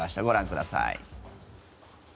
ご覧ください。